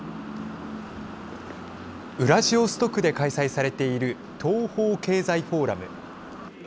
ウラジオストクで開催されている東方経済フォーラム。